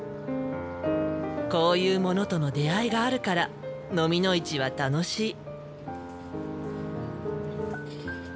こういうものとの出会いがあるからのみの市は楽しい。